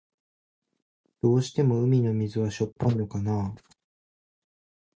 どうして海の水はしょっぱいのかな。